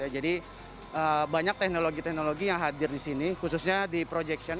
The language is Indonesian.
jadi banyak teknologi teknologi yang hadir di sini khususnya di projection